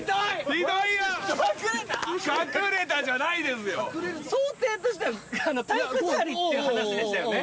ひどい「隠れた？」じゃないですよ想定としては体育座りっていう話でしたよね？